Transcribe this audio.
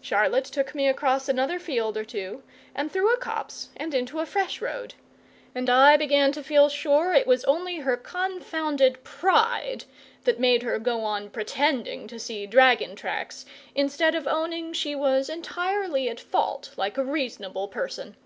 Charlotte took me across another field or two, and through a copse, and into a fresh road; and I began to feel sure it was only her confounded pride that made her go on pretending to see dragon tracks instead of owning she was entirely at fault, like a reasonable person.